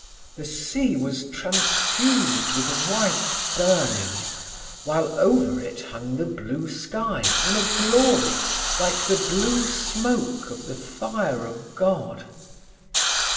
The sea was transfused with white burning, while over it hung the blue sky in a glory, like the blue smoke of the fire of God.